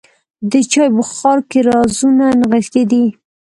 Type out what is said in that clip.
د چای بخار کې رازونه نغښتي دي.